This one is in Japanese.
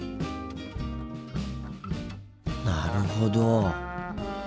なるほど。